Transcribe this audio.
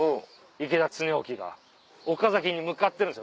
池田恒興が岡崎に向かってるんです